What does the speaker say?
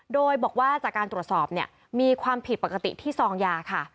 โดยบอกว่าจากการตรวจสอบเนี่ยมีความผิดปกติที่ซองยาค่ะ